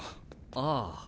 ああ。